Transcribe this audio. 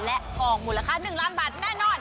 และทองมูลค่า๑ล้านบาทแน่นอน